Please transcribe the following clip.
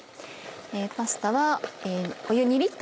パスタは。